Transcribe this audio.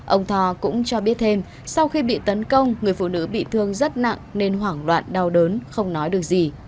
ông thò cũng cho biết thêm sau khi bị tấn công người phụ nữ bị thương rất nặng nên hoảng loạn đau đớn không nói được gì